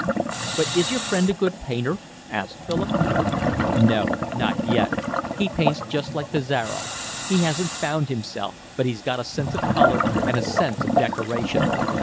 "But is your friend a good painter?" asked Philip. "No, not yet, he paints just like Pissarro. He hasn't found himself, but he's got a sense of colour and a sense of decoration.